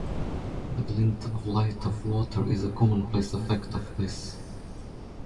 The glint of light off water is a commonplace effect of this.